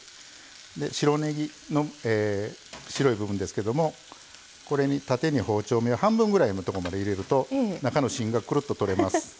白ねぎの白い部分ですけどもこれに縦に包丁半分ぐらいのところまで入れると中の芯がくるっと取れます。